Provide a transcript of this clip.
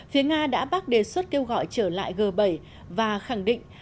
phía nga đã bác đề xuất kêu gọi trở lại g bảy và khẳng định